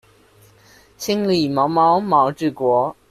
心裡毛毛毛治國